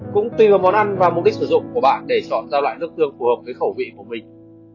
cũng tìm vào món ăn và mục đích sử dụng của bạn để chọn ra loại nước tương phù hợp với khẩu vị của mình